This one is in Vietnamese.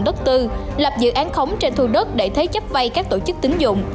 vina food hai đã hợp tác lòng đất tư lập dự án khống trên thu đất để thế chấp vay các tổ chức tính dụng